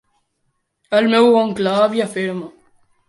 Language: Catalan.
El meu oncle avi, afirma.